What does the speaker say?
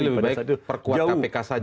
jadi lebih baik perkuat kpk saja